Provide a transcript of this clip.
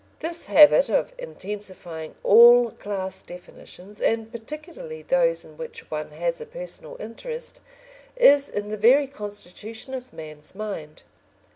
This habit of intensifying all class definitions, and particularly those in which one has a personal interest, is in the very constitution of man's mind.